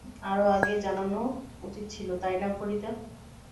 আরো আগেই জানানো উচিত ছিল, তাই না ফরিদা?